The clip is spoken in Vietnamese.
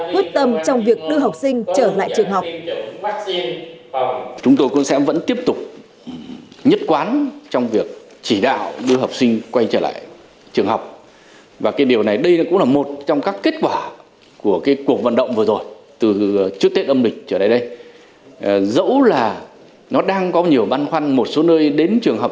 quyết tâm trong việc đưa học sinh trở lại trường học